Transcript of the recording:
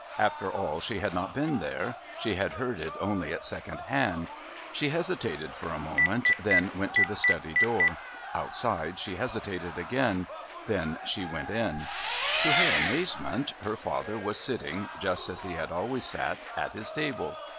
After all, she had not been there. She had heard it only at second hand. She hesitated for a moment, then went to the study door. Outside she hesitated again, then she went in. To her amazement her father was sitting, just as he had always sat, at his table.